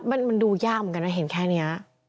มันดูยากเหมือนกันนะเห็นแค่นี้